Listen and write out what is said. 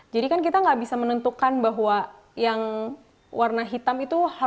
jadi kan kita nggak bisa menentukan bahwa yang warna apa